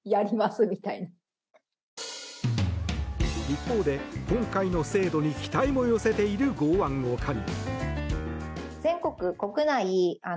一方で、今回の制度に期待も寄せている剛腕女将。